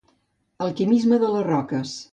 El quimisme de les roques.